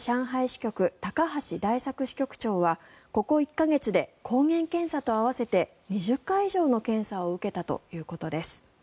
支局高橋大作支局長はここ１か月で抗原検査と合わせて２０回以上の検査を受けたということです。